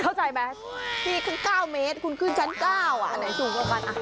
เข้าใจไหมที่ตั้ง๙เมตรคุณขึ้นชั้น๙อันไหนสูงกว่ามัน